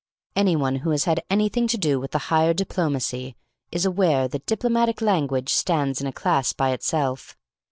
Anyone who has had anything to do with the higher diplomacy is aware that diplomatic language stands in a class by itself.